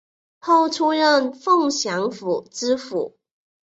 后出任凤翔府知府。